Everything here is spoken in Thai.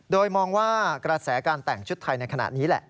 โดยมองว่ากระแสการแต่งชุดไทยในขณะนี้แหละ